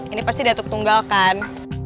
ini pasti datuk tunggal kan